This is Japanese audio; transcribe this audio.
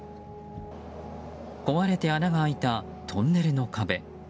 壊れて穴が開いたトンネルの壁。